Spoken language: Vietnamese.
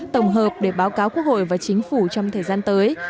tổng hợp để báo cáo quốc hội và chính phủ trong thời gian tới